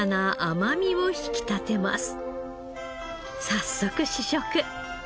早速試食。